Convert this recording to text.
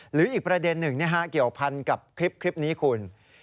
หรืออีกประเด็นหนึ่งเกี่ยวพันกับคลิปนี้คุณ